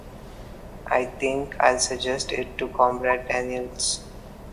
I think I'll suggest it to Comrade Daniels.